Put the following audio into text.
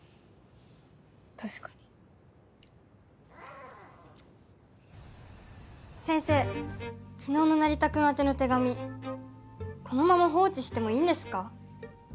確かに先生昨日の成田君宛ての手紙このまま放置してもいいんですか？